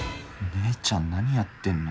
姉ちゃん何やってんの？